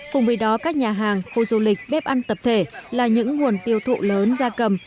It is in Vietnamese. cùng với đó các nhà hàng khu du lịch bếp ăn tập thể là những nguồn tiêu thụ lớn da cầm